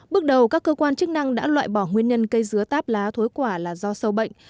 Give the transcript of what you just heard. bước đầu các cơ quan chức năng đã loại bỏ nguyên nhân cây dứa táp lá thối quả là do sâu bệnh